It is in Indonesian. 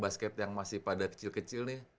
basket yang masih pada kecil kecil nih